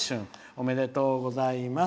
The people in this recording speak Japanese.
おめでとうございます。